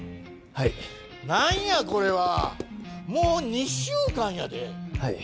はい何やこれはもう２週間やではい